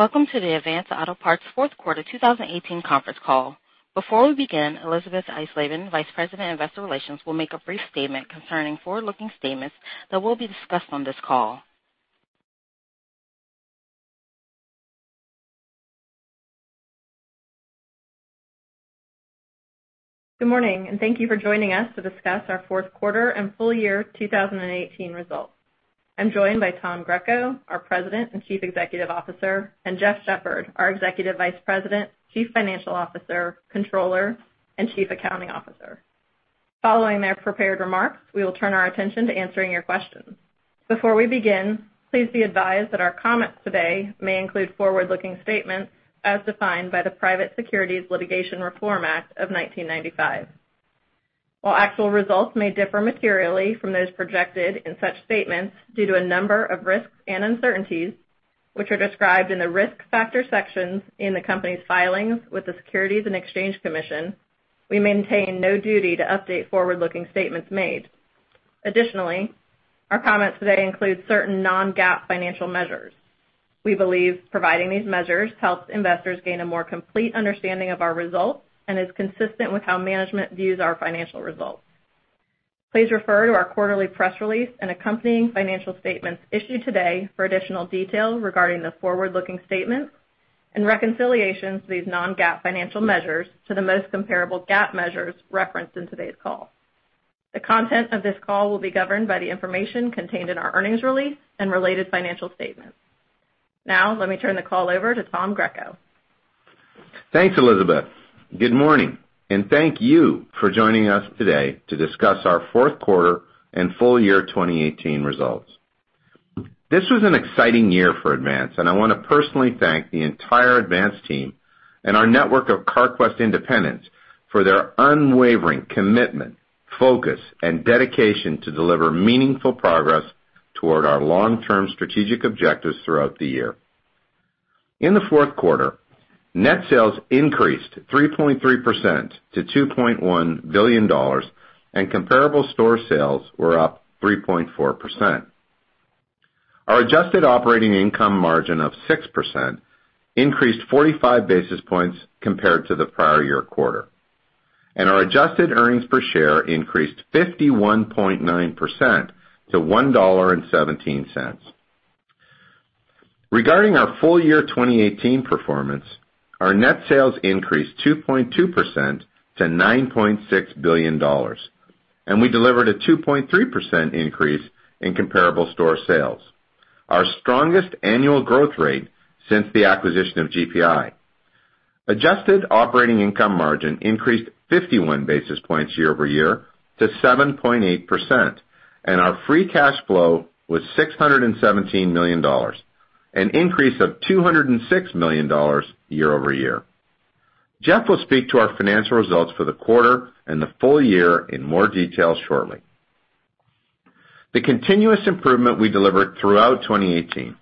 Welcome to the Advance Auto Parts fourth quarter 2018 conference call. Before we begin, Elisabeth Eisleben, Vice President, Investor Relations, will make a brief statement concerning forward-looking statements that will be discussed on this call. Good morning, thank you for joining us to discuss our fourth quarter and full year 2018 results. I'm joined by Tom Greco, our President and Chief Executive Officer, and Jeff Shepherd, our Executive Vice President, Chief Financial Officer, Comptroller, and Chief Accounting Officer. Following their prepared remarks, we will turn our attention to answering your questions. Before we begin, please be advised that our comments today may include forward-looking statements as defined by the Private Securities Litigation Reform Act of 1995. While actual results may differ materially from those projected in such statements due to a number of risks and uncertainties, which are described in the Risk Factor sections in the company's filings with the Securities and Exchange Commission, we maintain no duty to update forward-looking statements made. Additionally, our comments today include certain non-GAAP financial measures. We believe providing these measures helps investors gain a more complete understanding of our results and is consistent with how management views our financial results. Please refer to our quarterly press release and accompanying financial statements issued today for additional details regarding the forward-looking statements and reconciliations to these non-GAAP financial measures to the most comparable GAAP measures referenced in today's call. The content of this call will be governed by the information contained in our earnings release and related financial statements. Let me turn the call over to Tom Greco. Thanks, Elisabeth. Good morning, thank you for joining us today to discuss our fourth quarter and full year 2018 results. This was an exciting year for Advance, and I want to personally thank the entire Advance team and our network of Carquest independents for their unwavering commitment, focus, and dedication to deliver meaningful progress toward our long-term strategic objectives throughout the year. In the fourth quarter, net sales increased 3.3% to $2.1 billion, comparable store sales were up 3.4%. Our adjusted operating income margin of 6% increased 45 basis points compared to the prior year quarter. Our adjusted earnings per share increased 51.9% to $1.17. Regarding our full year 2018 performance, our net sales increased 2.2% to $9.6 billion, we delivered a 2.3% increase in comparable store sales, our strongest annual growth rate since the acquisition of GPI. Adjusted operating income margin increased 51 basis points year-over-year to 7.8%, our free cash flow was $617 million, an increase of $206 million year-over-year. Jeff will speak to our financial results for the quarter and the full year in more detail shortly. The continuous improvement we delivered throughout 2018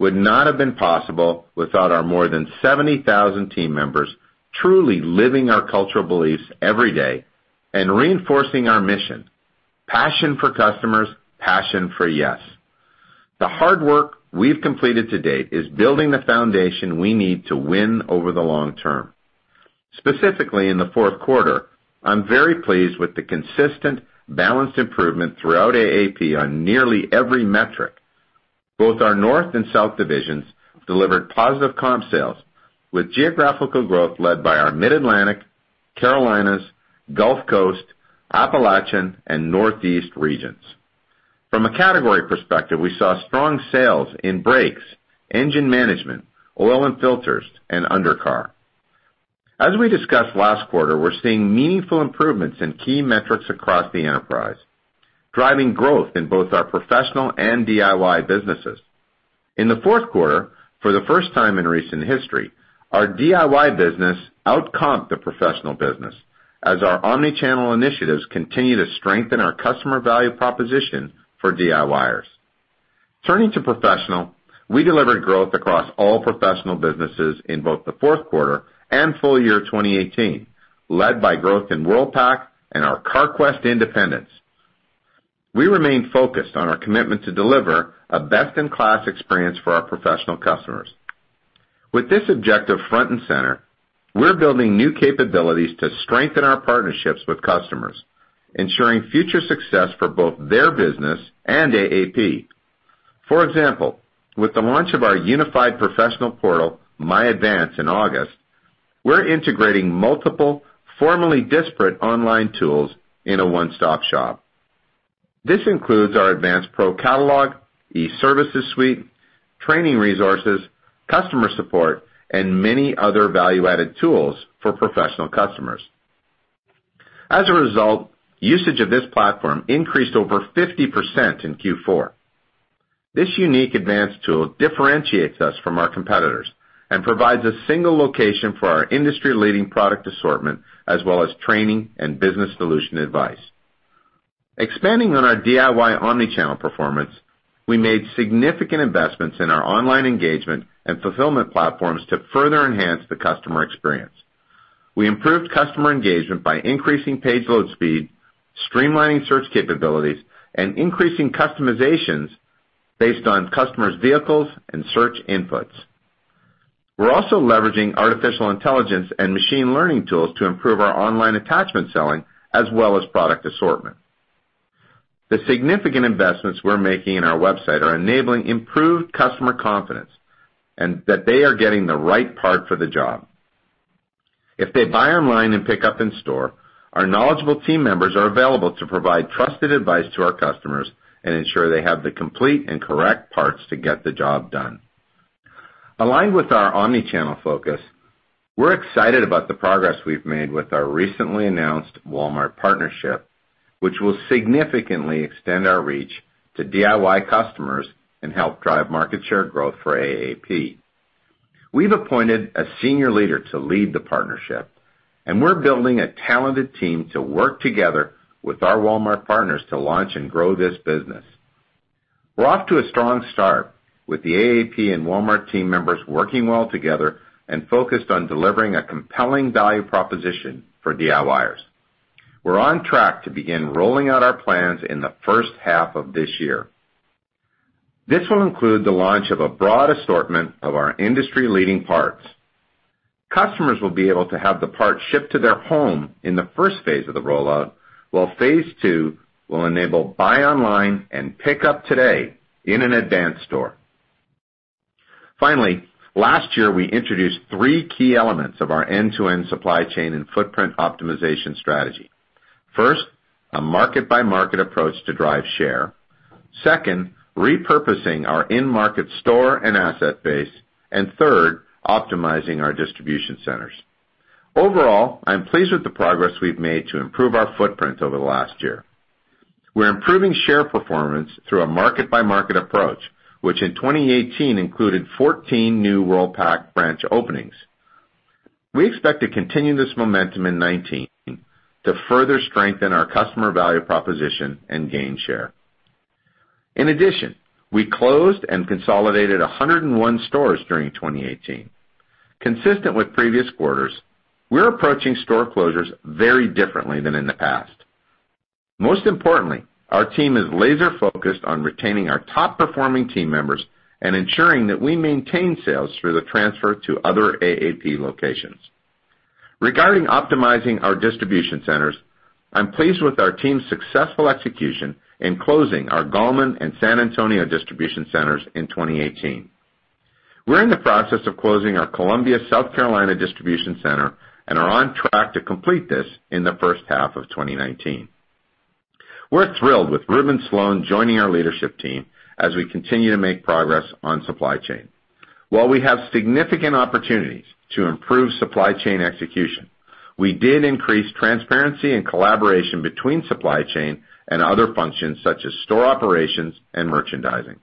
would not have been possible without our more than 70,000 team members truly living our cultural beliefs every day and reinforcing our mission, passion for customers, passion for yes. The hard work we've completed to date is building the foundation we need to win over the long term. Specifically, in the fourth quarter, I'm very pleased with the consistent, balanced improvement throughout AAP on nearly every metric. Both our North and South divisions delivered positive comp sales, with geographical growth led by our Mid-Atlantic, Carolinas, Gulf Coast, Appalachian, and Northeast regions. From a category perspective, we saw strong sales in brakes, engine management, oil and filters, and undercar. As we discussed last quarter, we're seeing meaningful improvements in key metrics across the enterprise, driving growth in both our professional and DIY businesses. In the fourth quarter, for the first time in recent history, our DIY business out-comped the professional business as our omni-channel initiatives continue to strengthen our customer value proposition for DIYers. Turning to professional, we delivered growth across all professional businesses in both the fourth quarter and full year 2018, led by growth in Worldpac and our Carquest independents. We remain focused on our commitment to deliver a best-in-class experience for our professional customers. With this objective front and center, we're building new capabilities to strengthen our partnerships with customers, ensuring future success for both their business and AAP. For example, with the launch of our unified professional portal, MyAdvance, in August, we're integrating multiple, formerly disparate online tools in a one-stop shop. This includes our Advance ProCatalog, e-services suite, training resources, customer support, and many other value-added tools for professional customers. As a result, usage of this platform increased over 50% in Q4. This unique Advance tool differentiates us from our competitors and provides a single location for our industry-leading product assortment as well as training and business solution advice. Expanding on our DIY omni-channel performance, we made significant investments in our online engagement and fulfillment platforms to further enhance the customer experience. We improved customer engagement by increasing page load speed, streamlining search capabilities, and increasing customizations based on customers' vehicles and search inputs. We're also leveraging artificial intelligence and machine learning tools to improve our online attachment selling, as well as product assortment. The significant investments we're making in our website are enabling improved customer confidence, that they are getting the right part for the job. If they buy online and pick up in store, our knowledgeable team members are available to provide trusted advice to our customers and ensure they have the complete and correct parts to get the job done. Aligned with our omni-channel focus, we're excited about the progress we've made with our recently announced Walmart partnership, which will significantly extend our reach to DIY customers and help drive market share growth for AAP. We've appointed a senior leader to lead the partnership, we're building a talented team to work together with our Walmart partners to launch and grow this business. We're off to a strong start with the AAP and Walmart team members working well together and focused on delivering a compelling value proposition for DIYers. We're on track to begin rolling out our plans in the first half of this year. This will include the launch of a broad assortment of our industry-leading parts. Customers will be able to have the parts shipped to their home in the first phase of the rollout, while phase 2 will enable buy online and Pick Up Today in an Advance store. Last year, we introduced three key elements of our end-to-end supply chain and footprint optimization strategy. First, a market-by-market approach to drive share. Second, repurposing our in-market store and asset base. Third, optimizing our distribution centers. Overall, I'm pleased with the progress we've made to improve our footprint over the last year. We're improving share performance through a market-by-market approach, which in 2018 included 14 new Worldpac branch openings. We expect to continue this momentum in 2019 to further strengthen our customer value proposition and gain share. In addition, we closed and consolidated 101 stores during 2018. Consistent with previous quarters, we're approaching store closures very differently than in the past. Most importantly, our team is laser-focused on retaining our top-performing team members and ensuring that we maintain sales through the transfer to other AAP locations. Regarding optimizing our distribution centers, I'm pleased with our team's successful execution in closing our Gallman and San Antonio distribution centers in 2018. We're in the process of closing our Columbia, South Carolina, distribution center and are on track to complete this in the first half of 2019. We're thrilled with Reuben Slone joining our leadership team as we continue to make progress on supply chain. While we have significant opportunities to improve supply chain execution, we did increase transparency and collaboration between supply chain and other functions such as store operations and merchandising.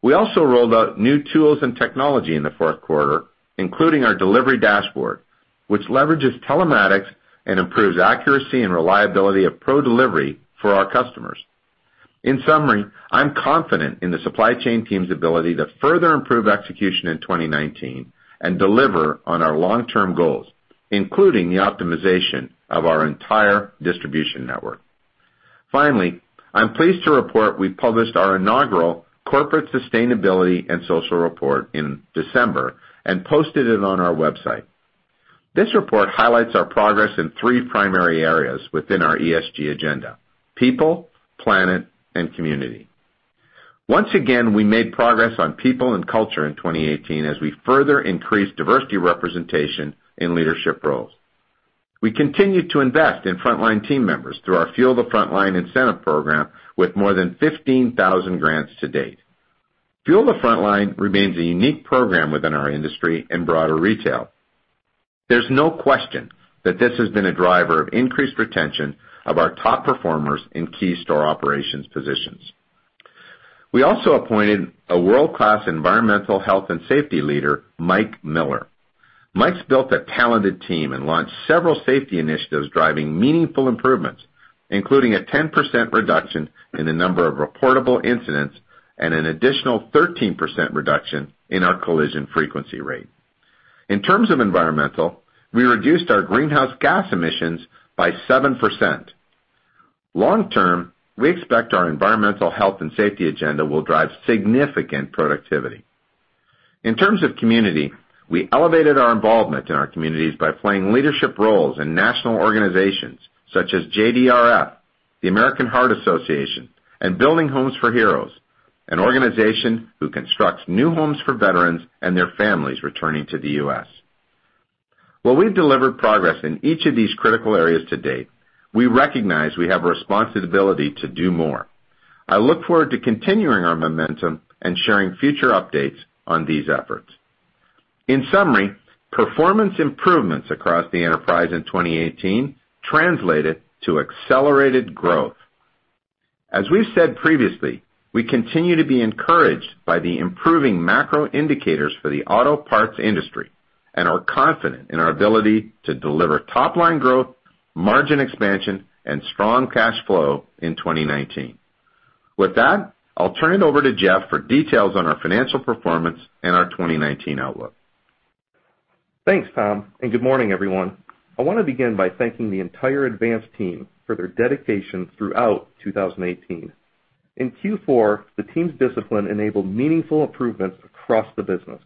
We also rolled out new tools and technology in the fourth quarter, including our delivery dashboard, which leverages telematics and improves accuracy and reliability of pro delivery for our customers. In summary, I'm confident in the supply chain team's ability to further improve execution in 2019 and deliver on our long-term goals, including the optimization of our entire distribution network. I'm pleased to report we published our inaugural corporate sustainability and social report in December and posted it on our website. This report highlights our progress in three primary areas within our ESG agenda: people, planet, and community. Once again, we made progress on people and culture in 2018 as we further increased diversity representation in leadership roles. We continued to invest in frontline team members through our Fuel the Frontline incentive program with more than 15,000 grants to date. Fuel the Frontline remains a unique program within our industry in broader retail. There's no question that this has been a driver of increased retention of our top performers in key store operations positions. We also appointed a world-class environmental health and safety leader, Mike Miller. Mike's built a talented team and launched several safety initiatives driving meaningful improvements, including a 10% reduction in the number of reportable incidents and an additional 13% reduction in our collision frequency rate. In terms of environmental, we reduced our greenhouse gas emissions by 7%. Long-term, we expect our environmental health and safety agenda will drive significant productivity. In terms of community, we elevated our involvement in our communities by playing leadership roles in national organizations such as JDRF, the American Heart Association, and Building Homes for Heroes, an organization who constructs new homes for veterans and their families returning to the U.S. While we've delivered progress in each of these critical areas to date, we recognize we have a responsibility to do more. I look forward to continuing our momentum and sharing future updates on these efforts. In summary, performance improvements across the enterprise in 2018 translated to accelerated growth. As we've said previously, we continue to be encouraged by the improving macro indicators for the auto parts industry and are confident in our ability to deliver top-line growth, margin expansion, and strong cash flow in 2019. With that, I'll turn it over to Jeff for details on our financial performance and our 2019 outlook. Thanks, Tom, and good morning, everyone. I want to begin by thanking the entire Advance team for their dedication throughout 2018. In Q4, the team's discipline enabled meaningful improvements across the business.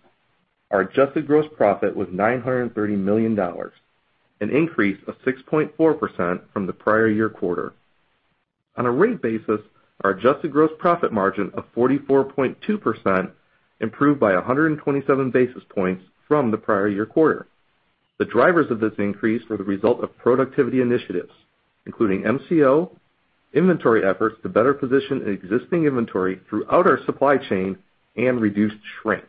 Our adjusted gross profit was $930 million, an increase of 6.4% from the prior year quarter. On a rate basis, our adjusted gross profit margin of 44.2% improved by 127 basis points from the prior year quarter. The drivers of this increase were the result of productivity initiatives, including MCO, inventory efforts to better position existing inventory throughout our supply chain, and reduced shrink.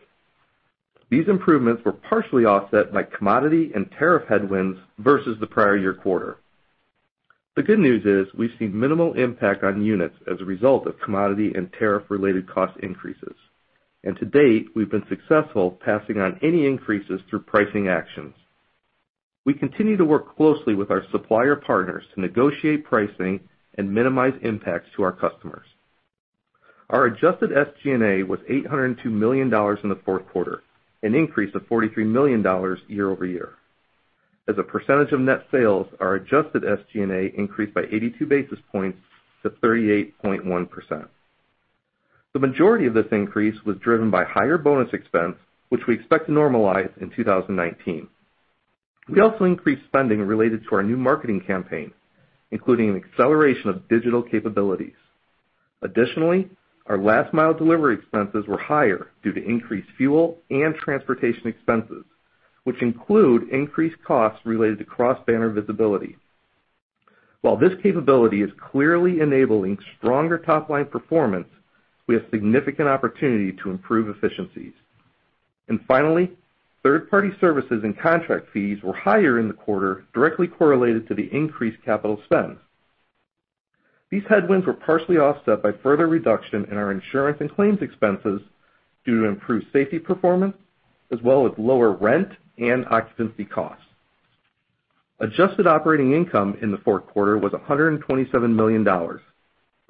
These improvements were partially offset by commodity and tariff headwinds versus the prior year quarter. The good news is we've seen minimal impact on units as a result of commodity and tariff-related cost increases, and to date, we've been successful passing on any increases through pricing actions. We continue to work closely with our supplier partners to negotiate pricing and minimize impacts to our customers. Our adjusted SG&A was $802 million in the fourth quarter, an increase of $43 million year-over-year. As a percentage of net sales, our adjusted SG&A increased by 82 basis points to 38.1%. The majority of this increase was driven by higher bonus expense, which we expect to normalize in 2019. We also increased spending related to our new marketing campaign, including an acceleration of digital capabilities. Additionally, our last mile delivery expenses were higher due to increased fuel and transportation expenses, which include increased costs related to cross-banner visibility. While this capability is clearly enabling stronger top-line performance, we have significant opportunity to improve efficiencies. Finally, third-party services and contract fees were higher in the quarter, directly correlated to the increased capital spend. These headwinds were partially offset by further reduction in our insurance and claims expenses due to improved safety performance, as well as lower rent and occupancy costs. Adjusted operating income in the fourth quarter was $127 million,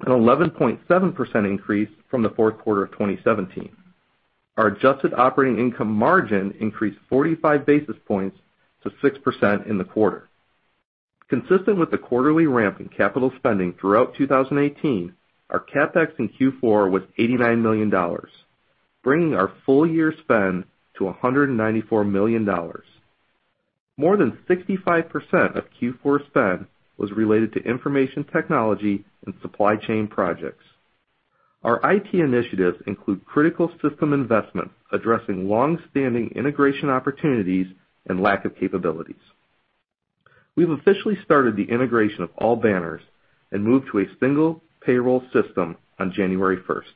an 11.7% increase from the fourth quarter of 2017. Our adjusted operating income margin increased 45 basis points to 6% in the quarter. Consistent with the quarterly ramp in capital spending throughout 2018, our CapEx in Q4 was $89 million, bringing our full year spend to $194 million. More than 65% of Q4 spend was related to information technology and supply chain projects. Our IT initiatives include critical system investment addressing long-standing integration opportunities and lack of capabilities. We've officially started the integration of all banners and moved to a single payroll system on January 1st.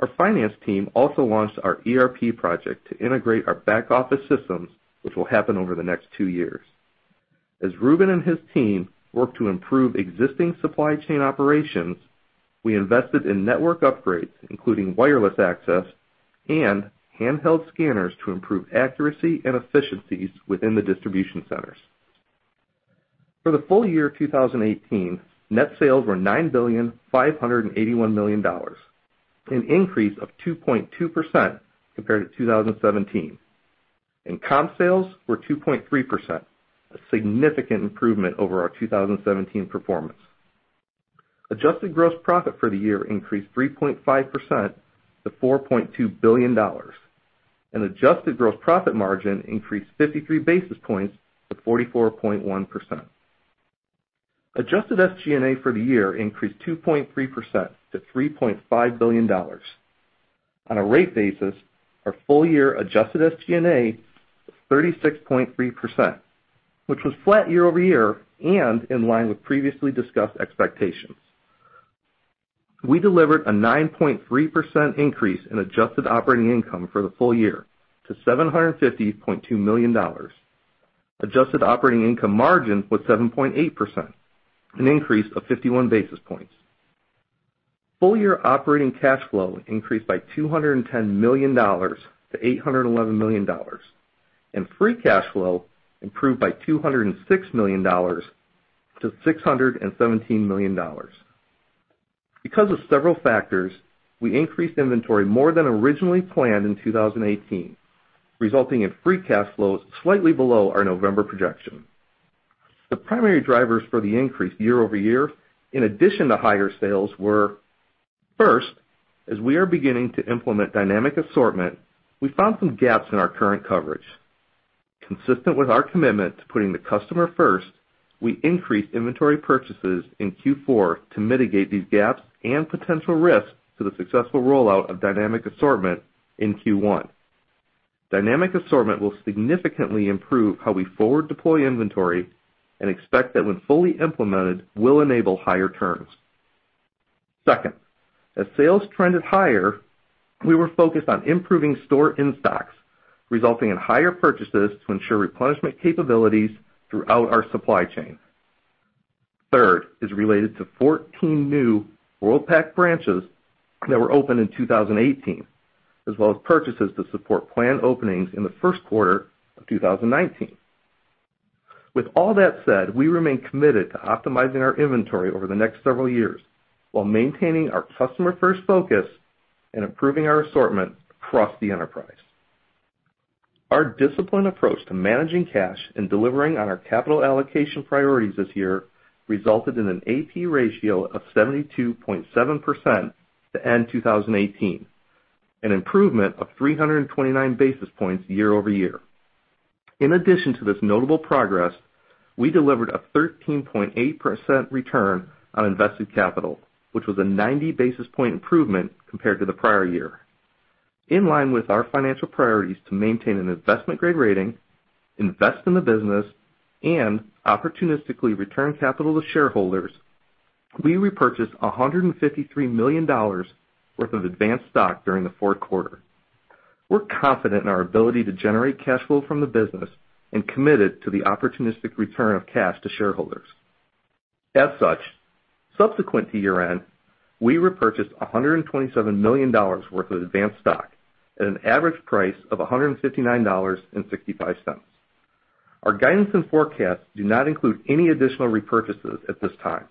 Our finance team also launched our ERP project to integrate our back-office systems, which will happen over the next two years. As Reuben and his team work to improve existing supply chain operations, we invested in network upgrades, including wireless access and handheld scanners to improve accuracy and efficiencies within the distribution centers. For the full year 2018, net sales were $9,581,000,000, an increase of 2.2% compared to 2017. Comp sales were 2.3%, a significant improvement over our 2017 performance. Adjusted gross profit for the year increased 3.5% to $4.2 billion, and adjusted gross profit margin increased 53 basis points to 44.1%. Adjusted SG&A for the year increased 2.3% to $3.5 billion. On a rate basis, our full year adjusted SG&A of 36.3%, which was flat year-over-year and in line with previously discussed expectations. We delivered a 9.3% increase in adjusted operating income for the full year to $750.2 million. Adjusted operating income margin was 7.8%, an increase of 51 basis points. Full year operating cash flow increased by $210 million to $811 million, and free cash flow improved by $206 million to $617 million. Because of several factors, we increased inventory more than originally planned in 2018, resulting in free cash flows slightly below our November projection. The primary drivers for the increase year-over-year, in addition to higher sales were, first, as we are beginning to implement dynamic assortment, we found some gaps in our current coverage. Consistent with our commitment to putting the customer first, we increased inventory purchases in Q4 to mitigate these gaps and potential risks to the successful rollout of dynamic assortment in Q1. Dynamic assortment will significantly improve how we forward deploy inventory and expect that when fully implemented will enable higher turns. Second, as sales trended higher, we were focused on improving store in-stocks, resulting in higher purchases to ensure replenishment capabilities throughout our supply chain. Third is related to 14 new Worldpac branches that were opened in 2018, as well as purchases to support planned openings in the first quarter of 2019. With all that said, we remain committed to optimizing our inventory over the next several years while maintaining our customer-first focus and improving our assortment across the enterprise. Our disciplined approach to managing cash and delivering on our capital allocation priorities this year resulted in an AP ratio of 72.7% to end 2018, an improvement of 329 basis points year-over-year. In addition to this notable progress, we delivered a 13.8% return on invested capital, which was a 90 basis point improvement compared to the prior year. In line with our financial priorities to maintain an investment-grade rating, invest in the business, and opportunistically return capital to shareholders, we repurchased $153 million worth of Advance stock during the fourth quarter. We're confident in our ability to generate cash flow from the business and committed to the opportunistic return of cash to shareholders. Subsequent to year-end, we repurchased $127 million worth of Advance stock at an average price of $159.65. Our guidance and forecasts do not include any additional repurchases at this time.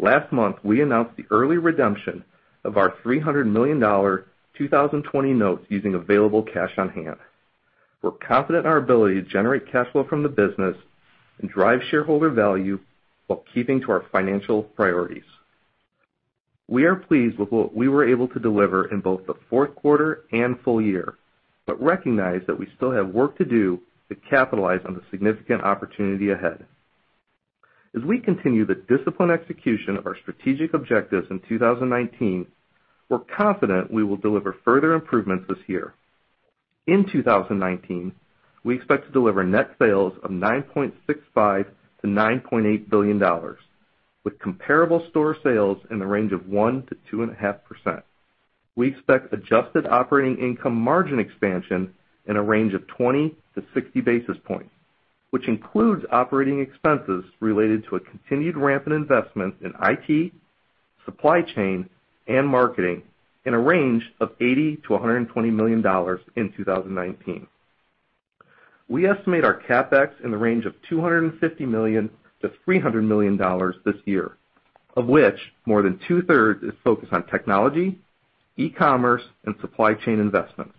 Last month, we announced the early redemption of our $300 million 2020 notes using available cash on hand. We're confident in our ability to generate cash flow from the business and drive shareholder value while keeping to our financial priorities. We are pleased with what we were able to deliver in both the fourth quarter and full year, but recognize that we still have work to do to capitalize on the significant opportunity ahead. As we continue the disciplined execution of our strategic objectives in 2019, we're confident we will deliver further improvements this year. In 2019, we expect to deliver net sales of $9.65 billion-$9.8 billion, with comparable store sales in the range of 1%-2.5%. We expect adjusted operating income margin expansion in a range of 20-60 basis points, which includes operating expenses related to a continued rampant investment in IT, supply chain and marketing in a range of $80 million-$120 million in 2019. We estimate our CapEx in the range of $250 million-$300 million this year, of which more than two-thirds is focused on technology, e-commerce, and supply chain investments.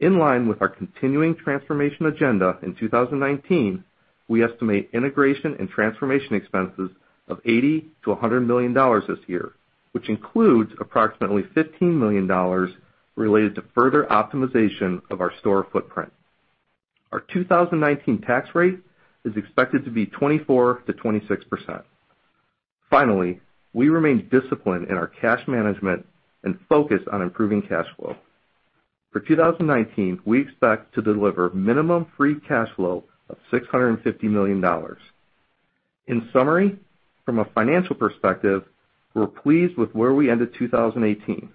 In line with our continuing transformation agenda in 2019, we estimate integration and transformation expenses of $80 million-$100 million this year, which includes approximately $15 million related to further optimization of our store footprint. Our 2019 tax rate is expected to be 24%-26%. Finally, we remain disciplined in our cash management and focused on improving cash flow. For 2019, we expect to deliver minimum free cash flow of $650 million. In summary, from a financial perspective, we're pleased with where we ended 2018.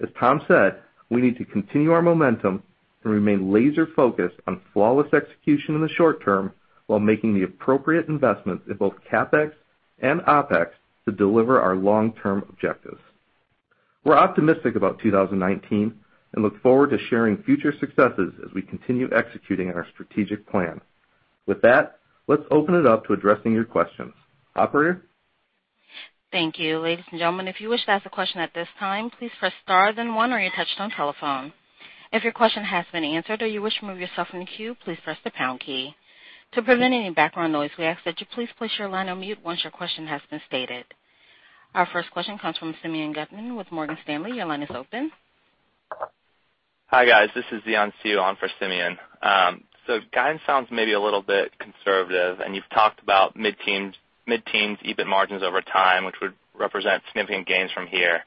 As Tom said, we need to continue our momentum and remain laser-focused on flawless execution in the short term while making the appropriate investments in both CapEx and OpEx to deliver our long-term objectives. We're optimistic about 2019 and look forward to sharing future successes as we continue executing on our strategic plan. With that, let's open it up to addressing your questions. Operator? Thank you. Ladies and gentlemen, if you wish to ask a question at this time, please press star then one on your touch-tone telephone. If your question has been answered or you wish to remove yourself from the queue, please press the pound key. To prevent any background noise, we ask that you please place your line on mute once your question has been stated. Our first question comes from Simeon Gutman with Morgan Stanley. Your line is open. Hi, guys. This is Xian Siew on for Simeon. Guidance sounds maybe a little bit conservative, and you've talked about mid-teens EBIT margins over time, which would represent significant gains from here.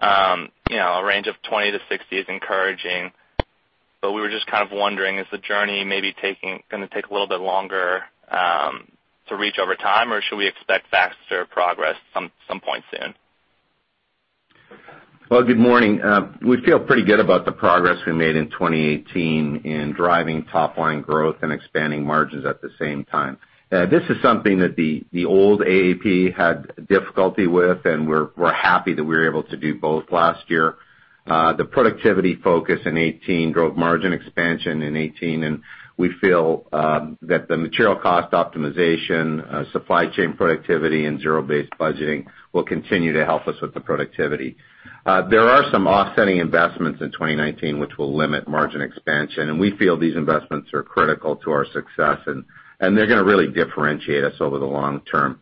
A range of 20 to 60 is encouraging. We were just kind of wondering, is the journey maybe going to take a little bit longer to reach over time, or should we expect faster progress some point soon? Well, good morning. We feel pretty good about the progress we made in 2018 in driving top-line growth and expanding margins at the same time. This is something that the old AAP had difficulty with. We're happy that we were able to do both last year. The productivity focus in 2018 drove margin expansion in 2018. We feel that the material cost optimization, supply chain productivity, and zero-based budgeting will continue to help us with the productivity. There are some offsetting investments in 2019 which will limit margin expansion. We feel these investments are critical to our success. They're going to really differentiate us over the long term.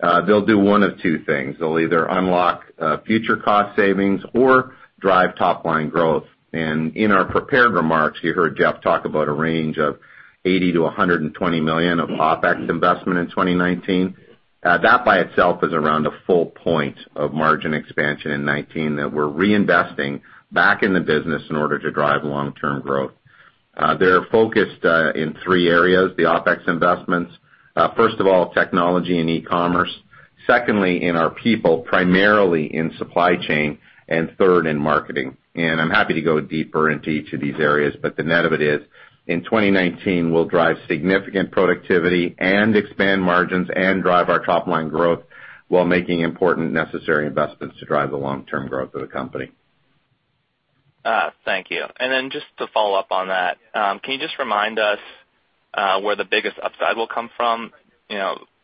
They'll do one of two things. They'll either unlock future cost savings or drive top-line growth. In our prepared remarks, you heard Jeff talk about a range of $80 million-$120 million of OpEx investment in 2019. That by itself is around a full point of margin expansion in 2019 that we're reinvesting back in the business in order to drive long-term growth. They're focused in three areas, the OpEx investments. First of all, technology and e-commerce. Secondly, in our people, primarily in supply chain. Third, in marketing. I'm happy to go deeper into each of these areas. The net of it is, in 2019, we'll drive significant productivity and expand margins and drive our top-line growth while making important necessary investments to drive the long-term growth of the company. Thank you. Just to follow up on that, can you just remind us where the biggest upside will come from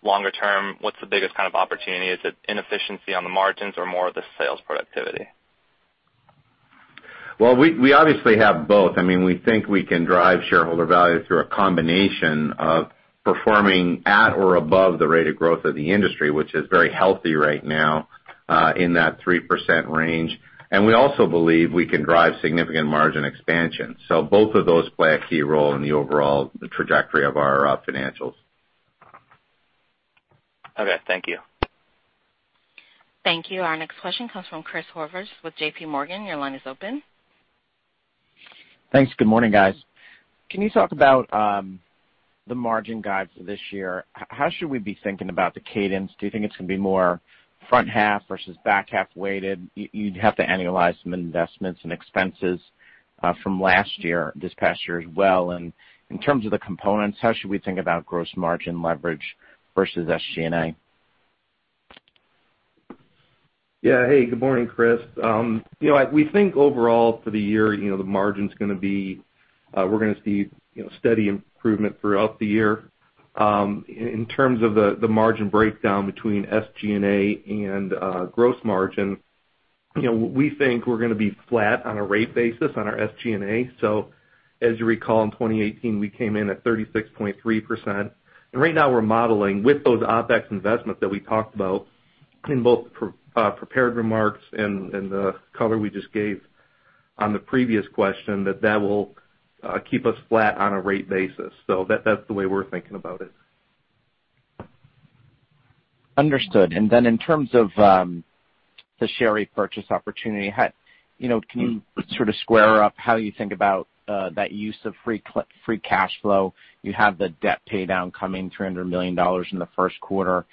longer term? What's the biggest opportunity? Is it inefficiency on the margins or more of the sales productivity? Well, we obviously have both. We think we can drive shareholder value through a combination of performing at or above the rate of growth of the industry, which is very healthy right now, in that 3% range. We also believe we can drive significant margin expansion. Both of those play a key role in the overall trajectory of our financials. Okay, thank you. Thank you. Our next question comes from Chris Horvers with JPMorgan. Your line is open. Thanks. Good morning, guys. Can you talk about the margin guides for this year? How should we be thinking about the cadence? Do you think it's going to be more front half versus back half weighted? You'd have to annualize some investments and expenses from this past year as well. In terms of the components, how should we think about gross margin leverage versus SG&A? Hey, good morning, Chris. We think overall for the year, we're going to see steady improvement throughout the year. In terms of the margin breakdown between SG&A and gross margin, we think we're going to be flat on a rate basis on our SG&A. As you recall, in 2018, we came in at 36.3%. Right now we're modeling with those OpEx investments that we talked about in both prepared remarks and the color we just gave on the previous question, that will keep us flat on a rate basis. That's the way we're thinking about it. Understood. Then in terms of the share repurchase opportunity, can you sort of square up how you think about that use of free cash flow? You have the debt pay down coming, $300 million in the first quarter.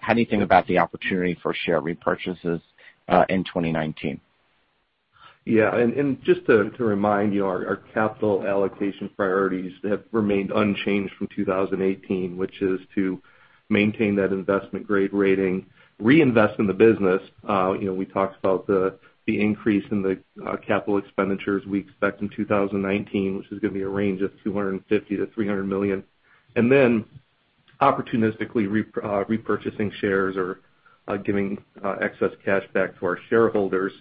How do you think about the opportunity for share repurchases in 2019? Just to remind you, our capital allocation priorities have remained unchanged from 2018, which is to maintain that investment grade rating, reinvest in the business. We talked about the increase in the capital expenditures we expect in 2019, which is going to be a range of $250 million-$300 million. Then opportunistically repurchasing shares or giving excess cash back to our shareholders.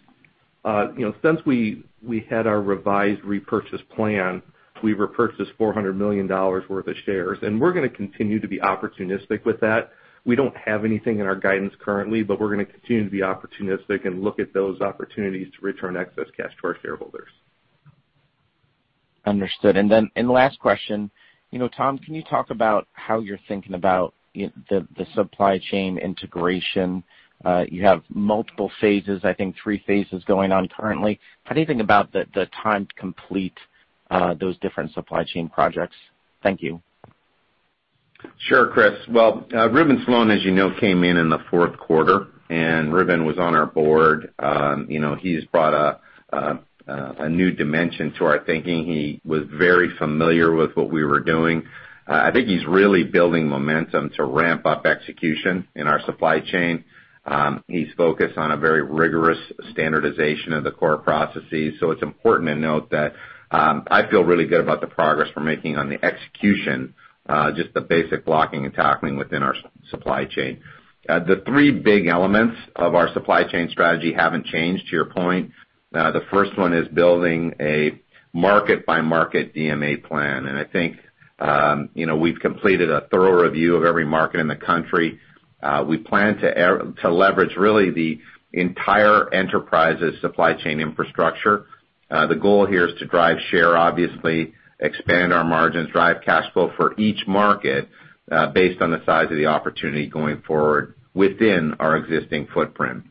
Since we had our revised repurchase plan, we've repurchased $400 million worth of shares, we're going to continue to be opportunistic with that. We don't have anything in our guidance currently, we're going to continue to be opportunistic and look at those opportunities to return excess cash to our shareholders. Understood. Last question. Tom, can you talk about how you're thinking about the supply chain integration? You have multiple phases, I think 3 phases going on currently. How do you think about the time to complete those different supply chain projects? Thank you. Sure, Chris. Well, Reuben Slone, as you know, came in in the fourth quarter, and Reuben was on our board. He's brought a new dimension to our thinking. He was very familiar with what we were doing. I think he's really building momentum to ramp up execution in our supply chain. He's focused on a very rigorous standardization of the core processes. It's important to note that I feel really good about the progress we're making on the execution, just the basic blocking and tackling within our supply chain. The three big elements of our supply chain strategy haven't changed, to your point. The first one is building a market-by-market DMA plan, and I think we've completed a thorough review of every market in the country. We plan to leverage really the entire enterprise's supply chain infrastructure. The goal here is to drive share, obviously, expand our margins, drive cash flow for each market based on the size of the opportunity going forward within our existing footprint.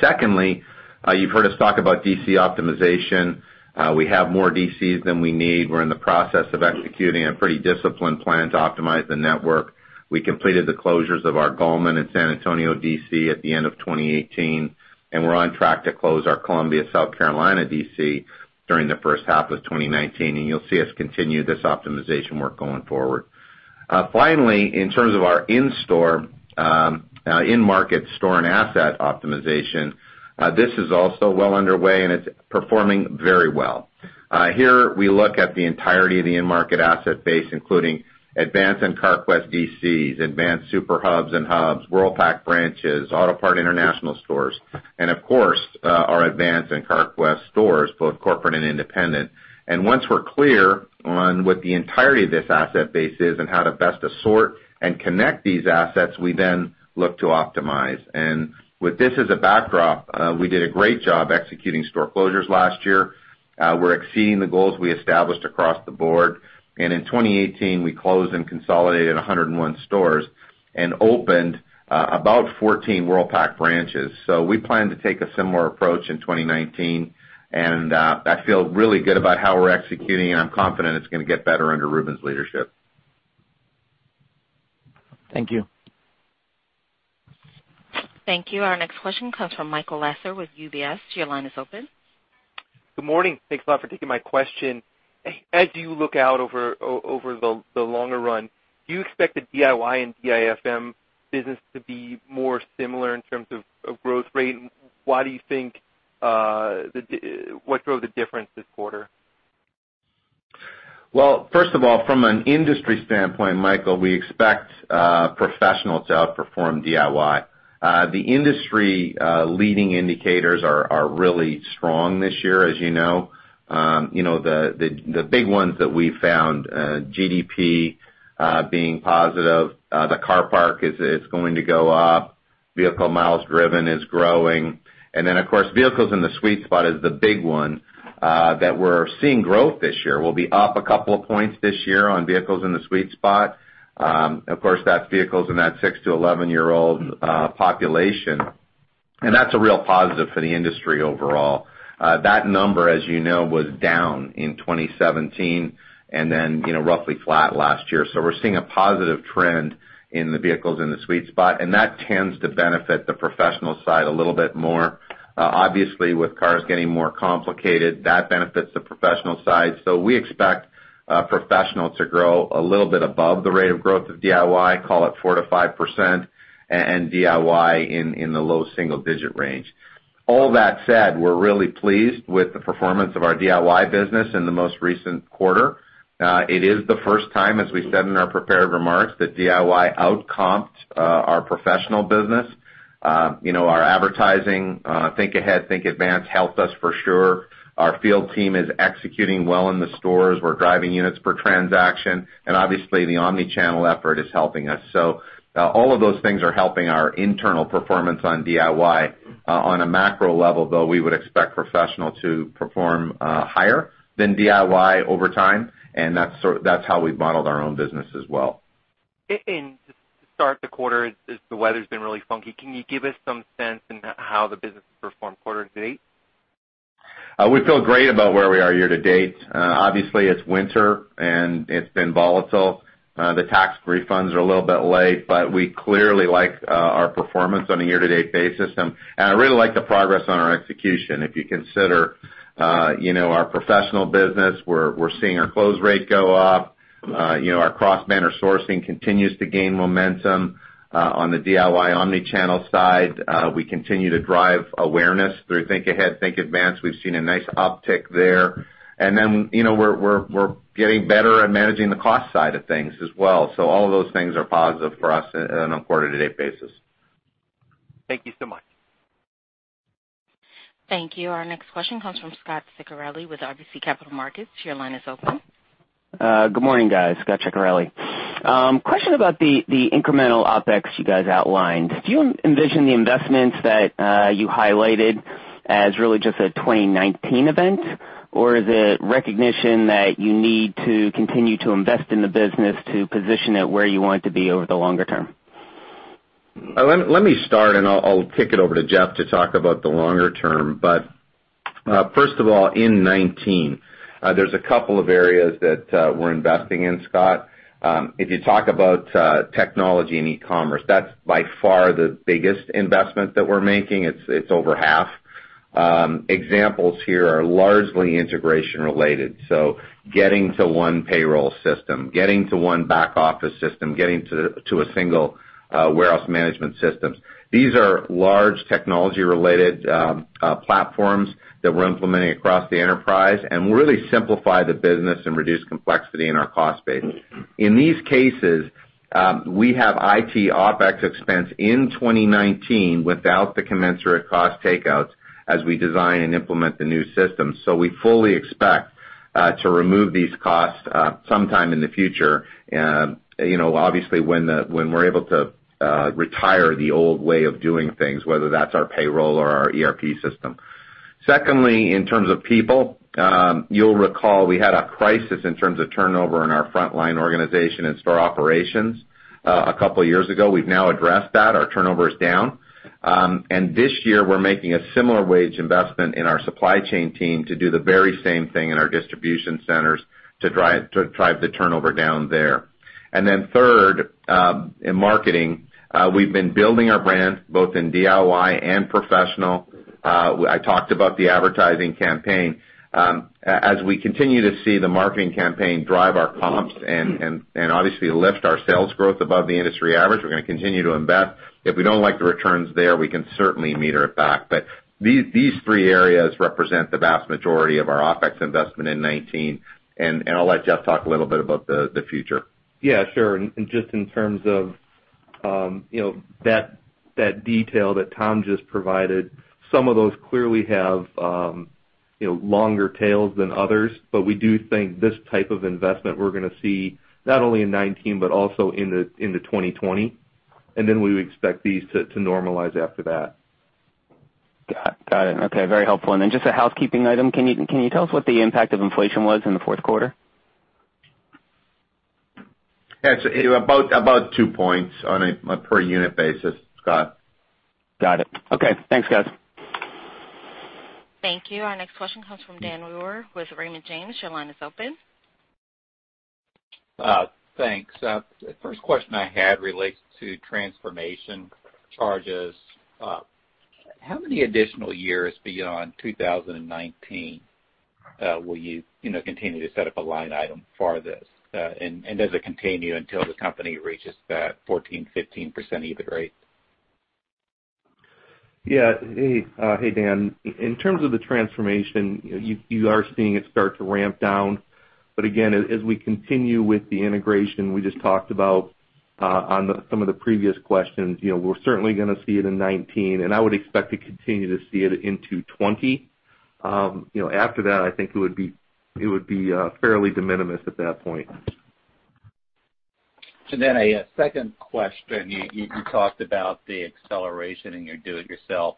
Secondly, you've heard us talk about DC optimization. We have more DCs than we need. We're in the process of executing a pretty disciplined plan to optimize the network. We completed the closures of our Gallman and San Antonio DC at the end of 2018, and we're on track to close our Columbia, South Carolina DC during the first half of 2019, and you'll see us continue this optimization work going forward. Finally, in terms of our in-market store and asset optimization, this is also well underway, and it's performing very well. Here, we look at the entirety of the in-market asset base, including Advance and Carquest DCs, Advance super hubs and hubs, Worldpac branches, Autopart International stores, and of course, our Advance and Carquest stores, both corporate and independent. Once we're clear on what the entirety of this asset base is and how to best assort and connect these assets, we then look to optimize. With this as a backdrop, we did a great job executing store closures last year. We're exceeding the goals we established across the board. In 2018, we closed and consolidated 101 stores and opened about 14 Worldpac branches. We plan to take a similar approach in 2019, and I feel really good about how we're executing, and I'm confident it's going to get better under Reuben's leadership. Thank you. Thank you. Our next question comes from Michael Lasser with UBS. Your line is open. Good morning. Thanks a lot for taking my question. As you look out over the longer run, do you expect the DIY and DIFM business to be more similar in terms of growth rate? What drove the difference this quarter? Well, first of all, from an industry standpoint, Michael, we expect Professional to outperform DIY. The industry leading indicators are really strong this year, as you know. The big ones that we found, GDP being positive, the car park is going to go up, vehicle miles driven is growing. Then of course, vehicles in the sweet spot is the big one that we're seeing growth this year. We'll be up a couple of points this year on vehicles in the sweet spot. Of course, that's vehicles in that six to 11-year-old population, and that's a real positive for the industry overall. That number, as you know, was down in 2017, and then roughly flat last year. We're seeing a positive trend in the vehicles in the sweet spot, and that tends to benefit the Professional side a little bit more. Obviously, with cars getting more complicated, that benefits the Professional side. We expect Professional to grow a little bit above the rate of growth of DIY, call it 4%-5%, and DIY in the low single-digit range. All that said, we're really pleased with the performance of our DIY business in the most recent quarter. It is the first time, as we said in our prepared remarks, that DIY out-comped our Professional business. Our advertising, Think ahead. Think Advance, helped us for sure. Our field team is executing well in the stores. We're driving units per transaction, and obviously, the omni-channel effort is helping us. All of those things are helping our internal performance on DIY. On a macro level, though, we would expect Professional to perform higher than DIY over time, and that's how we've modeled our own business as well. To start the quarter, as the weather's been really funky, can you give us some sense in how the business has performed quarter to date? We feel great about where we are year to date. Obviously, it's winter, and it's been volatile. The tax refunds are a little bit late, we clearly like our performance on a year-to-date basis, and I really like the progress on our execution. If you consider our Professional business, we're seeing our close rate go up. Our cross-banner sourcing continues to gain momentum. On the DIY omni-channel side, we continue to drive awareness through Think ahead. Think Advance. We've seen a nice uptick there. We're getting better at managing the cost side of things as well. All of those things are positive for us on a quarter-to-date basis. Thank you so much. Thank you. Our next question comes from Scot Ciccarelli with RBC Capital Markets. Your line is open. Good morning, guys. Scot Ciccarelli. Question about the incremental OpEx you guys outlined. Do you envision the investments that you highlighted as really just a 2019 event, or is it recognition that you need to continue to invest in the business to position it where you want it to be over the longer term? Let me start, I'll kick it over to Jeff to talk about the longer term. First of all, in 2019, there's a couple of areas that we're investing in, Scot. If you talk about technology and e-commerce, that's by far the biggest investment that we're making. It's over half. Examples here are largely integration related, so getting to one payroll system, getting to one back office system, getting to a single warehouse management systems. These are large technology-related platforms that we're implementing across the enterprise and really simplify the business and reduce complexity in our cost base. In these cases, we have IT OpEx expense in 2019 without the commensurate cost takeouts as we design and implement the new system. We fully expect to remove these costs sometime in the future, obviously when we're able to retire the old way of doing things, whether that's our payroll or our ERP system. Secondly, in terms of people, you'll recall we had a crisis in terms of turnover in our frontline organization and store operations a couple of years ago. We've now addressed that. Our turnover is down. This year, we're making a similar wage investment in our supply chain team to do the very same thing in our distribution centers to drive the turnover down there. Third, in marketing, we've been building our brand both in DIY and Professional. I talked about the advertising campaign. As we continue to see the marketing campaign drive our comps and obviously lift our sales growth above the industry average, we're going to continue to invest. If we don't like the returns there, we can certainly meter it back. These three areas represent the vast majority of our OpEx investment in 2019, I'll let Jeff talk a little bit about the future. Just in terms of that detail that Tom just provided, some of those clearly have longer tails than others, but we do think this type of investment we're going to see not only in 2019, but also into 2020. We would expect these to normalize after that. Got it. Okay. Very helpful. Just a housekeeping item. Can you tell us what the impact of inflation was in the fourth quarter? It's about two points on a per unit basis, Scot. Got it. Okay, thanks, guys. Thank you. Our next question comes from Dan Weber with Raymond James. Your line is open. Thanks. The first question I had relates to transformation charges. How many additional years beyond 2019 will you continue to set up a line item for this? Does it continue until the company reaches that 14%-15% EBIT rate? Yeah. Hey, Dan. In terms of the transformation, you are seeing it start to ramp down. Again, as we continue with the integration we just talked about on some of the previous questions, we're certainly going to see it in 2019, and I would expect to continue to see it into 2020. After that, I think it would be fairly de minimis at that point. A second question. You talked about the acceleration in your do it yourself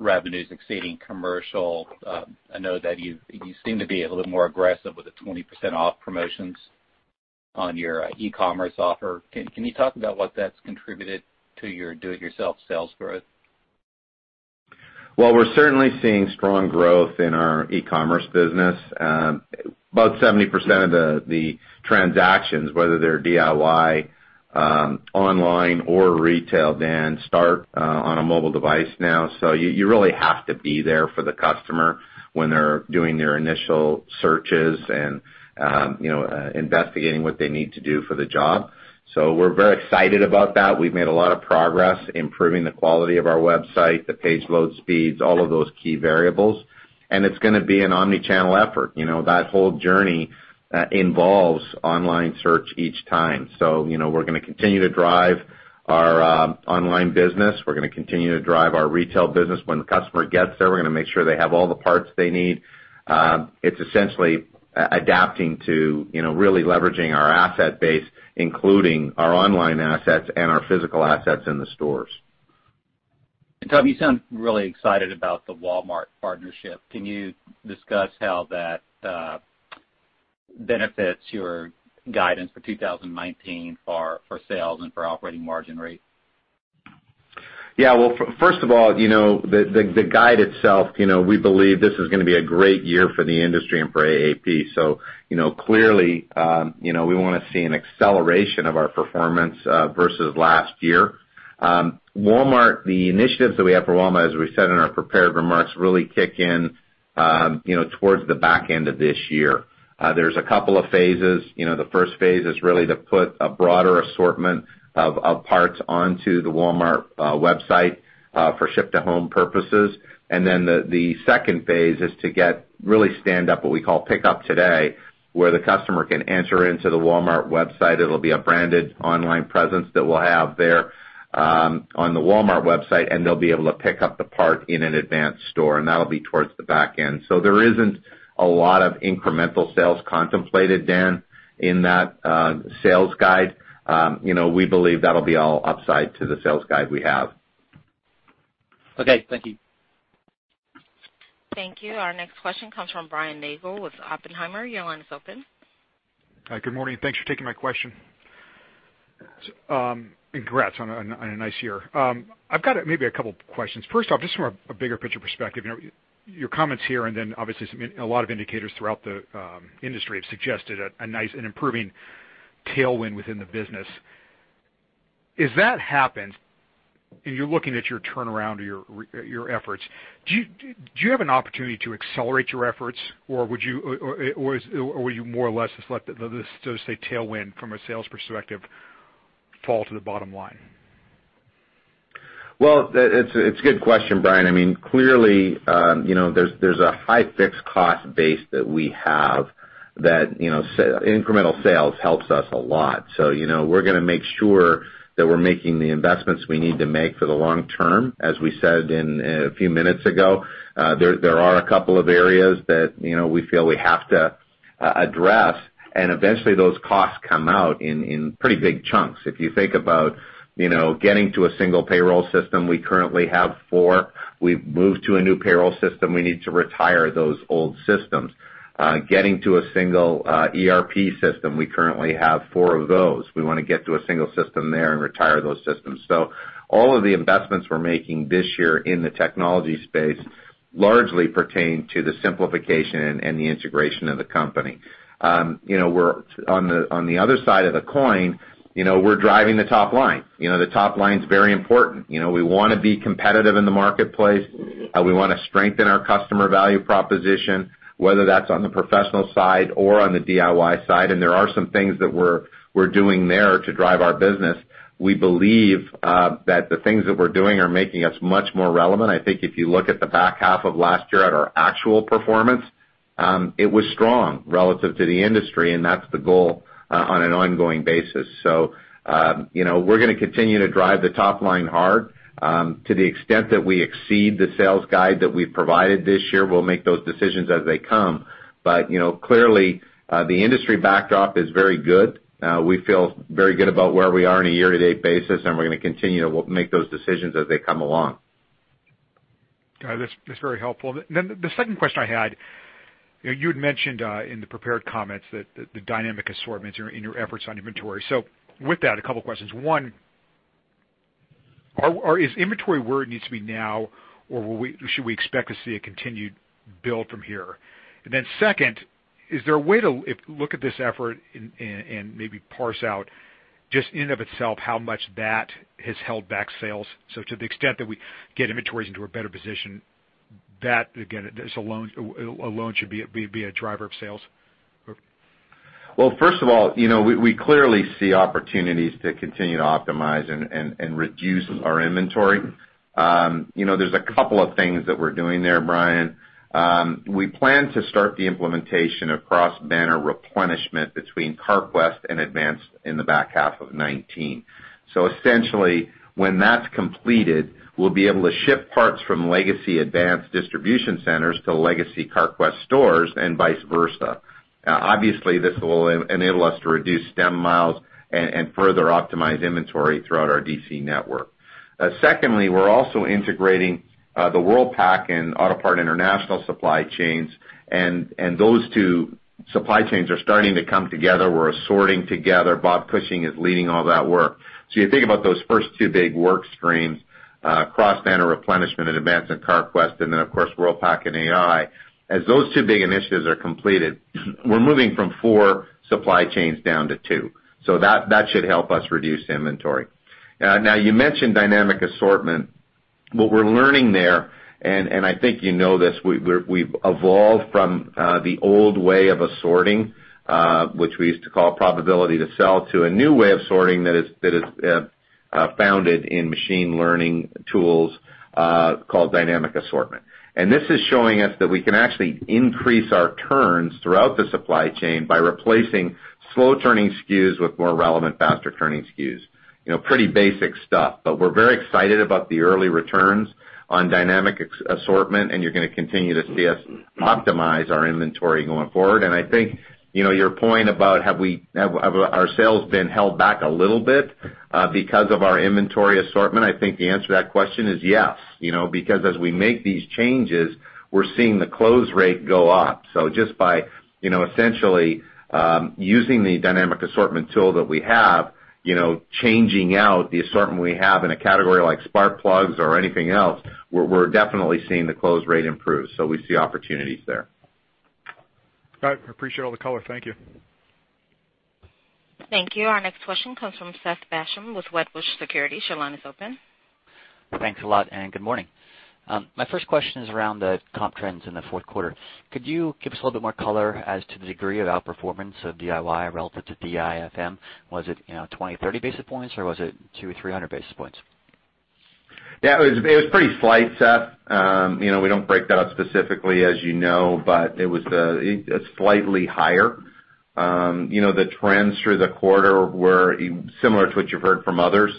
revenues exceeding commercial. I know that you seem to be a little more aggressive with the 20% off promotions on your e-commerce offer. Can you talk about what that's contributed to your do it yourself sales growth? We're certainly seeing strong growth in our e-commerce business. About 70% of the transactions, whether they're DIY, online or retail, Dan, start on a mobile device now. You really have to be there for the customer when they're doing their initial searches and investigating what they need to do for the job. We're very excited about that. We've made a lot of progress improving the quality of our website, the page load speeds, all of those key variables, and it's going to be an omni-channel effort. That whole journey involves online search each time. We're going to continue to drive our online business. We're going to continue to drive our retail business. When the customer gets there, we're going to make sure they have all the parts they need. It's essentially adapting to really leveraging our asset base, including our online assets and our physical assets in the stores. Tom, you sound really excited about the Walmart partnership. Can you discuss how that benefits your guidance for 2019 for sales and for operating margin rate? First of all, the guide itself, we believe this is going to be a great year for the industry and for AAP. Clearly, we want to see an acceleration of our performance versus last year. Walmart, the initiatives that we have for Walmart, as we said in our prepared remarks, really kick in towards the back end of this year. There's a couple of phases. The first phase is really to put a broader assortment of parts onto the walmart website for ship-to-home purposes. The second phase is to get really stand up what we call Pick Up Today, where the customer can enter into the walmart website. It'll be a branded online presence that we'll have there on the walmart website. They'll be able to pick up the part in an Advance store. That'll be towards the back end. There isn't a lot of incremental sales contemplated, Dan, in that sales guide. We believe that'll be all upside to the sales guide we have. Okay. Thank you. Thank you. Our next question comes from Brian Nagel with Oppenheimer. Your line is open. Hi. Good morning. Thanks for taking my question. Congrats on a nice year. I've got maybe a couple questions. First off, just from a bigger picture perspective, your comments here, and then obviously a lot of indicators throughout the industry have suggested a nice and improving tailwind within the business. As that happens, and you're looking at your turnaround or your efforts, do you have an opportunity to accelerate your efforts, or will you more or less just let this, so to say, tailwind from a sales perspective fall to the bottom line? Well, it's a good question, Brian. Clearly, there's a high fixed cost base that we have that incremental sales helps us a lot. We're going to make sure that we're making the investments we need to make for the long term. As we said a few minutes ago, there are a couple of areas that we feel we have to address, and eventually those costs come out in pretty big chunks. If you think about getting to a single payroll system, we currently have four. We've moved to a new payroll system. We need to retire those old systems. Getting to a single ERP system, we currently have four of those. We want to get to a single system there and retire those systems. All of the investments we're making this year in the technology space largely pertain to the simplification and the integration of the company. On the other side of the coin, we're driving the top line. The top line's very important. We want to be competitive in the marketplace. We want to strengthen our customer value proposition, whether that's on the professional side or on the DIY side, and there are some things that we're doing there to drive our business. We believe that the things that we're doing are making us much more relevant. I think if you look at the back half of last year at our actual performance, it was strong relative to the industry, and that's the goal on an ongoing basis. We're going to continue to drive the top line hard. To the extent that we exceed the sales guide that we've provided this year, we'll make those decisions as they come. Clearly, the industry backdrop is very good. We feel very good about where we are on a year-to-date basis, and we're going to continue to make those decisions as they come along. Got it. That's very helpful. The second question I had, you had mentioned in the prepared comments that the dynamic assortments in your efforts on inventory. With that, a couple questions. One-Is inventory where it needs to be now, or should we expect to see a continued build from here? Second, is there a way to look at this effort and maybe parse out just in of itself how much that has held back sales? To the extent that we get inventories into a better position, that again, this alone should be a driver of sales. Well, first of all, we clearly see opportunities to continue to optimize and reduce our inventory. There are a couple of things that we are doing there, Brian Nagel. We plan to start the implementation of cross-banner replenishment between Carquest and Advance in the back half of 2019. Essentially, when that is completed, we will be able to ship parts from legacy Advance distribution centers to legacy Carquest stores and vice versa. Obviously, this will enable us to reduce stem miles and further optimize inventory throughout our DC network. Secondly, we are also integrating the Worldpac and Autopart International supply chains, and those two supply chains are starting to come together. We are assorting together. Robert Cushing is leading all that work. You think about those first two big work streams, cross-banner replenishment and Advance and Carquest, and then of course, Worldpac and AI. As those two big initiatives are completed, we are moving from four supply chains down to two. That should help us reduce inventory. Now, you mentioned dynamic assortment. What we are learning there, and I think you know this, we have evolved from the old way of assorting, which we used to call probability to sell, to a new way of sorting that is founded in machine learning tools called dynamic assortment. This is showing us that we can actually increase our turns throughout the supply chain by replacing slow-turning SKUs with more relevant, faster-turning SKUs. Pretty basic stuff, we are very excited about the early returns on dynamic assortment, and you are going to continue to see us optimize our inventory going forward. I think your point about have our sales been held back a little bit because of our inventory assortment, I think the answer to that question is yes. As we make these changes, we are seeing the close rate go up. Just by essentially using the dynamic assortment tool that we have, changing out the assortment we have in a category like spark plugs or anything else, we are definitely seeing the close rate improve. We see opportunities there. All right. I appreciate all the color. Thank you. Thank you. Our next question comes from Seth Basham with Wedbush Securities. Your line is open. Thanks a lot, good morning. My first question is around the comp trends in the fourth quarter. Could you give us a little bit more color as to the degree of outperformance of DIY relative to DIFM? Was it 20, 30 basis points, or was it 2 to 300 basis points? Yeah, it was pretty slight, Seth. We don't break that out specifically, as you know, but it was slightly higher. The trends through the quarter were similar to what you've heard from others.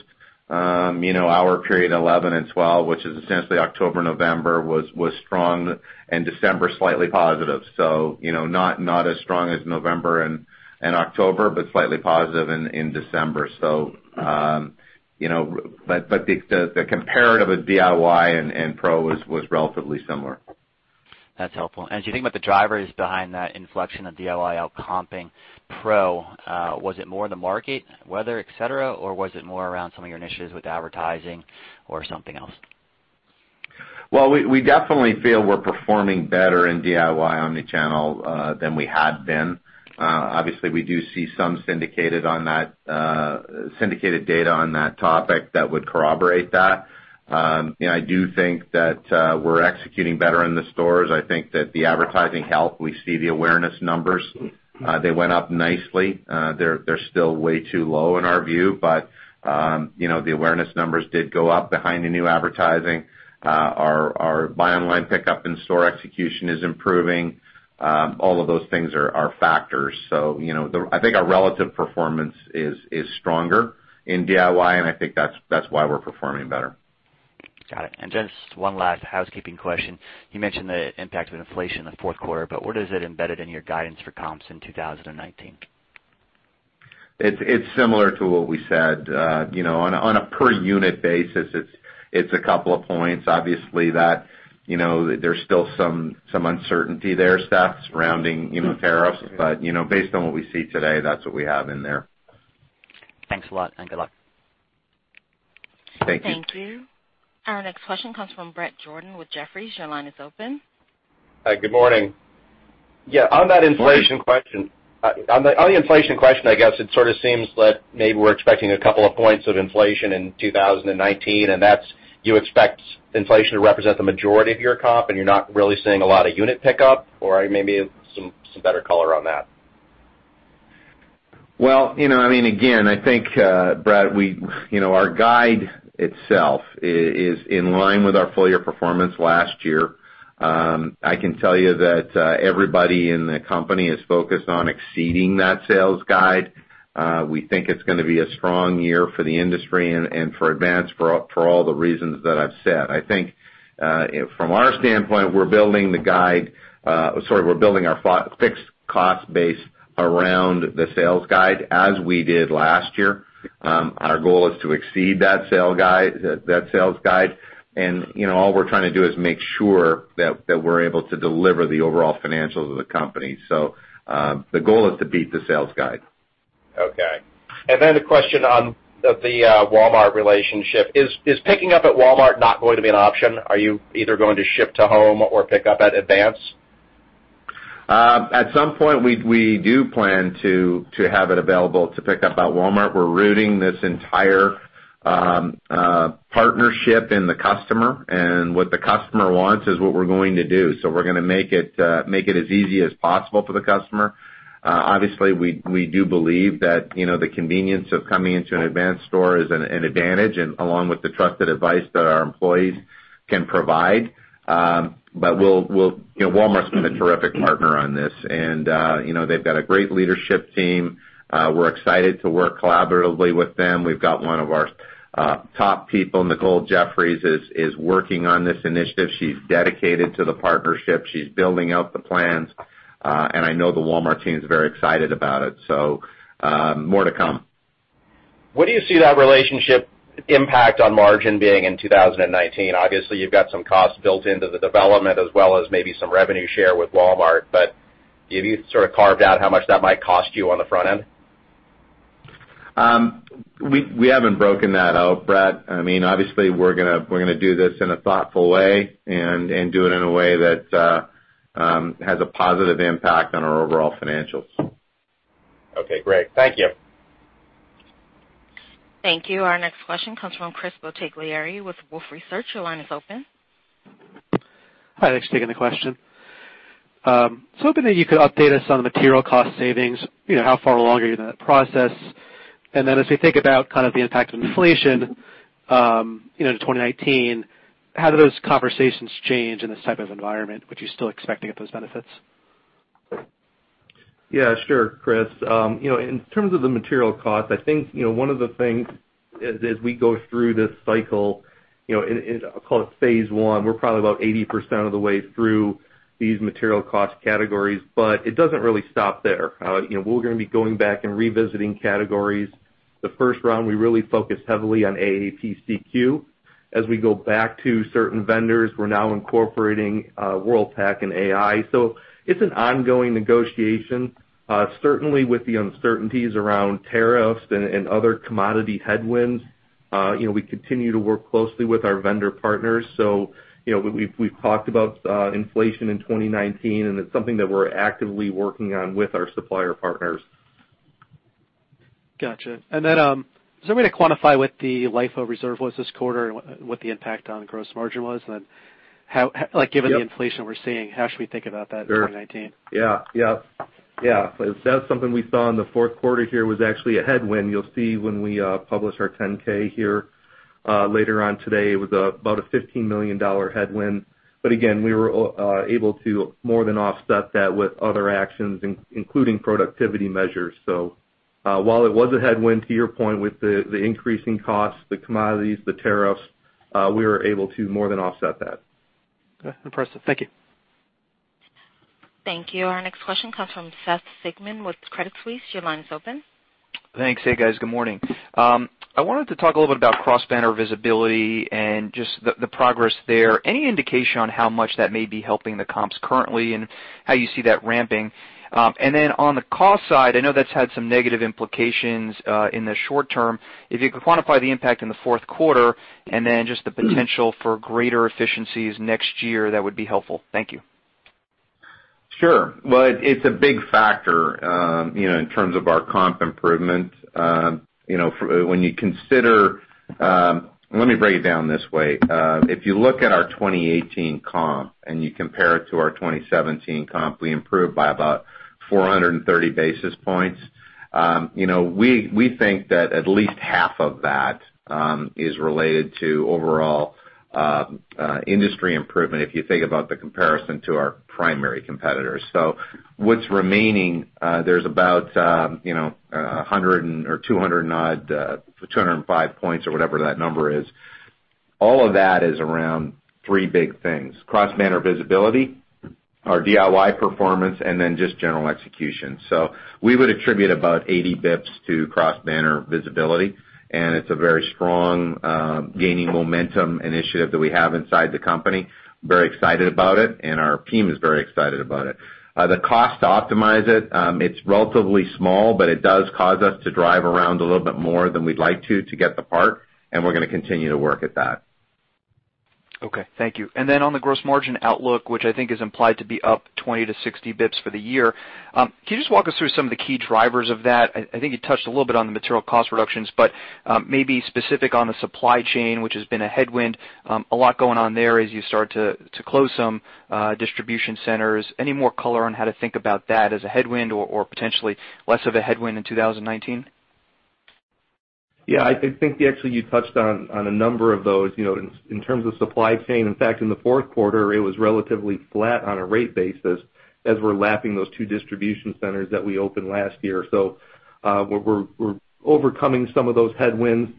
Our period 11 and 12, which is essentially October, November, was strong, December slightly positive. Not as strong as November and October, but slightly positive in December. The comparative with DIY and Pro was relatively similar. That's helpful. As you think about the drivers behind that inflection of DIY outcomping Pro, was it more the market, weather, et cetera, or was it more around some of your initiatives with advertising or something else? Well, we definitely feel we're performing better in DIY omnichannel than we had been. We do see some syndicated data on that topic that would corroborate that. I do think that we're executing better in the stores. I think that the advertising helped. We see the awareness numbers. They went up nicely. They're still way too low in our view, the awareness numbers did go up behind the new advertising. Our buy online pickup in-store execution is improving. All of those things are factors. I think our relative performance is stronger in DIY, I think that's why we're performing better. Got it. Just one last housekeeping question. You mentioned the impact of inflation in the fourth quarter, where does it embed it in your guidance for comps in 2019? It's similar to what we said. On a per unit basis, it's a couple of points. There's still some uncertainty there, Seth, surrounding tariffs. Based on what we see today, that's what we have in there. Thanks a lot, good luck. Thank you. Thank you. Our next question comes from Bret Jordan with Jefferies. Your line is open. Hi, good morning. Yeah, on the inflation question, I guess it sort of seems that maybe we're expecting a couple of points of inflation in 2019, and that's you expect inflation to represent the majority of your comp, and you're not really seeing a lot of unit pickup? Maybe some better color on that. Well, again, I think, Bret, our guide itself is in line with our full year performance last year. I can tell you that everybody in the company is focused on exceeding that sales guide. We think it's going to be a strong year for the industry and for Advance for all the reasons that I've said. I think from our standpoint, we're building our fixed cost base around the sales guide as we did last year. Our goal is to exceed that sales guide. All we're trying to do is make sure that we're able to deliver the overall financials of the company. The goal is to beat the sales guide. Okay. Then a question on the Walmart relationship. Is picking up at Walmart not going to be an option? Are you either going to ship to home or pick up at Advance? At some point, we do plan to have it available to pick up at Walmart. We're rooting this entire partnership in the customer, and what the customer wants is what we're going to do. We're going to make it as easy as possible for the customer. Obviously, we do believe that the convenience of coming into an Advance store is an advantage, and along with the trusted advice that our employees can provide. Walmart's been a terrific partner on this, and they've got a great leadership team. We're excited to work collaboratively with them. We've got one of our top people, Nicole Jefferies, is working on this initiative. She's dedicated to the partnership. She's building out the plans. I know the Walmart team is very excited about it. More to come. What do you see that relationship impact on margin being in 2019? Obviously, you've got some costs built into the development as well as maybe some revenue share with Walmart, but have you sort of carved out how much that might cost you on the front end? We haven't broken that out, Bret. Obviously, we're going to do this in a thoughtful way and do it in a way that has a positive impact on our overall financials. Okay, great. Thank you. Thank you. Our next question comes from Chris Bottiglieri with Wolfe Research. Your line is open. Hi, thanks for taking the question. Just hoping that you could update us on the material cost savings, how far along are you in that process? As we think about the impact of inflation, into 2019, how do those conversations change in this type of environment? Would you still expect to get those benefits? Yeah, sure, Chris. In terms of the material cost, I think one of the things as we go through this cycle, I'll call it phase 1, we're probably about 80% of the way through these material cost categories, but it doesn't really stop there. We're going to be going back and revisiting categories. The first round, we really focused heavily on AAPCQ. As we go back to certain vendors, we're now incorporating Worldpac and AI. It's an ongoing negotiation. Certainly, with the uncertainties around tariffs and other commodity headwinds, we continue to work closely with our vendor partners. We've talked about inflation in 2019, and it's something that we're actively working on with our supplier partners. Got you. Is there a way to quantify what the LIFO reserve was this quarter and what the impact on gross margin was? Given the inflation we're seeing, how should we think about that in 2019? Yeah. That's something we saw in the fourth quarter here, was actually a headwind. You'll see when we publish our 10-K here later on today. It was about a $15 million headwind. Again, we were able to more than offset that with other actions, including productivity measures. While it was a headwind, to your point, with the increasing costs, the commodities, the tariffs, we were able to more than offset that. Okay. Impressive. Thank you. Thank you. Our next question comes from Seth Sigman with Credit Suisse. Your line is open. Thanks. Hey, guys. Good morning. I wanted to talk a little bit about cross-banner visibility and just the progress there. Any indication on how much that may be helping the comps currently and how you see that ramping? On the cost side, I know that's had some negative implications in the short term. If you could quantify the impact in the fourth quarter, just the potential for greater efficiencies next year, that would be helpful. Thank you. Sure. Well, it's a big factor in terms of our comp improvement. Let me break it down this way. If you look at our 2018 comp and you compare it to our 2017 comp, we improved by about 430 basis points. We think that at least half of that is related to overall industry improvement, if you think about the comparison to our primary competitors. What's remaining, there's about 100 or 205 points or whatever that number is. All of that is around three big things: cross-banner visibility, our DIY performance, just general execution. We would attribute about 80 basis points to cross-banner visibility, and it's a very strong, gaining momentum initiative that we have inside the company. Very excited about it, and our team is very excited about it. The cost to optimize it's relatively small, but it does cause us to drive around a little bit more than we'd like to get the part, and we're going to continue to work at that. Okay, thank you. On the gross margin outlook, which I think is implied to be up 20 to 60 basis points for the year, can you just walk us through some of the key drivers of that? I think you touched a little bit on the material cost reductions, but maybe specific on the supply chain, which has been a headwind. A lot going on there as you start to close some distribution centers. Any more color on how to think about that as a headwind or potentially less of a headwind in 2019? Yeah, I think actually you touched on a number of those. In terms of supply chain, in fact, in the fourth quarter, it was relatively flat on a rate basis as we're lapping those two distribution centers that we opened last year. We're overcoming some of those headwinds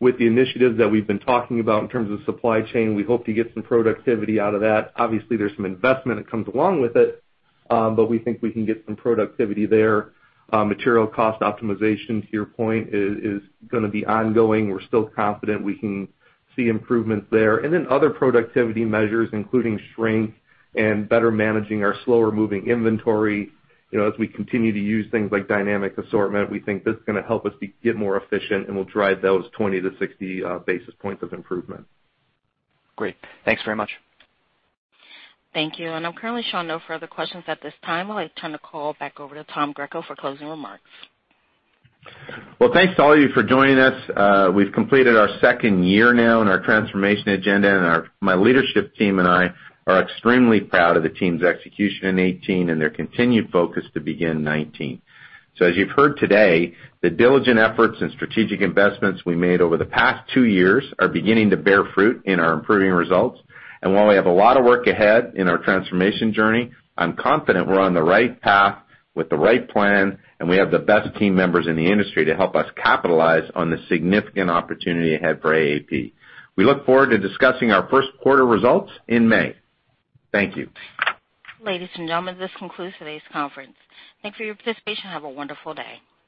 with the initiatives that we've been talking about in terms of supply chain. We hope to get some productivity out of that. Obviously, there's some investment that comes along with it, but we think we can get some productivity there. Material cost optimization, to your point, is going to be ongoing. We're still confident we can see improvements there. Other productivity measures, including shrink and better managing our slower-moving inventory. As we continue to use things like dynamic assortment, we think this is going to help us get more efficient, and we'll drive those 20 to 60 basis points of improvement. Great. Thanks very much. Thank you. I'm currently showing no further questions at this time. I'd like to turn the call back over to Tom Greco for closing remarks. Thanks to all of you for joining us. We've completed our second year now in our transformation agenda. My leadership team and I are extremely proud of the team's execution in 2018 and their continued focus to begin 2019. As you've heard today, the diligent efforts and strategic investments we made over the past two years are beginning to bear fruit in our improving results. While we have a lot of work ahead in our transformation journey, I'm confident we're on the right path with the right plan, and we have the best team members in the industry to help us capitalize on the significant opportunity ahead for AAP. We look forward to discussing our first quarter results in May. Thank you. Ladies and gentlemen, this concludes today's conference. Thanks for your participation and have a wonderful day.